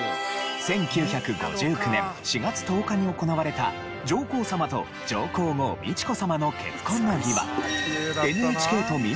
１９５９年４月１０日に行われた上皇さまと上皇后美智子さまの結婚の儀は。